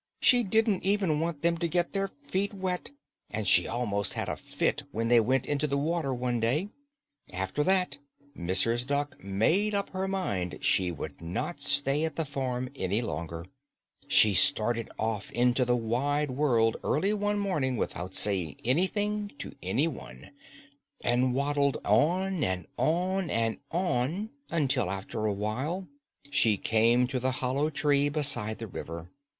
She didn't even want them to get their feet wet and she almost had a fit when they went into the water one day. [Illustration: She pointed with her wing to a farmhouse in the distance] After that Mrs. Duck made up her mind she would not stay at the farm any longer. She started off into the wide world early one morning without saying anything to any one, and waddled on and on and on until after a while she came to the hollow tree beside the river.